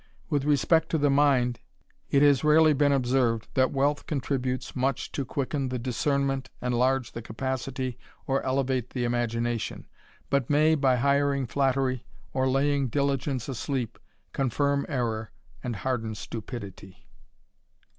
With respect to the mind, it has rarely been observed, that wealth contributes much to quicken the discernment, enlarge the capacity, or elevate the imagination; but may, by hiring flattery, or laying diligence asleep, confirm errour, and harden stupidity.